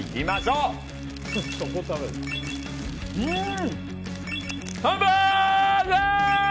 うん！